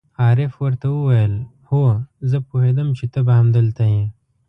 عارف ور ته وویل: هو، زه پوهېدم چې ته به همدلته یې.